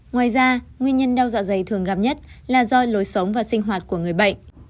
ngoài ra nguyên nhân đau dạ dày thường gặp nhất là do lối sống và sinh hoạt của người bệnh